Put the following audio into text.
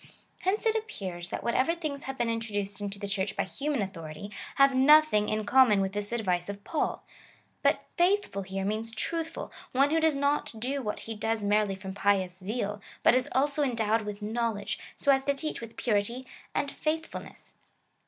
Hence it appears, that whatever things liave been introduced into the Church by human authority/ have nothing in common with this advice of PauL But faithful liere means truthful — one who does not do what he does merely from pious zeal, but is also endowed with knowledge, so as to teach with purity and faithfulness.